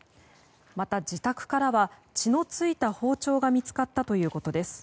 また、自宅からは血の付いた包丁が見つかったということです。